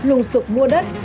ung sụp mua đất